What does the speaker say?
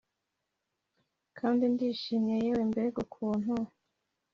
kandi ndishimye, yewe mbega ukuntu!